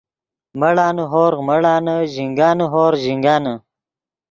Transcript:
مڑانے ہورغ مڑانے ژینگانے ہورغ ژینگانے